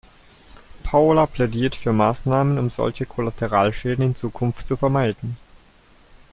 Paula plädiert für Maßnahmen, um solche Kollateralschäden in Zukunft zu vermeiden.